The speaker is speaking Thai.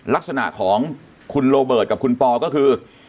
ลักษณะของคุณโรเบิร์ตกับคุณปอก็คือ